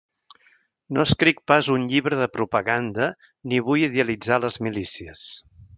No escric pas un llibre de propaganda ni vull idealitzar les milícies